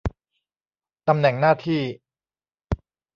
ตำแหน่งหน้าที่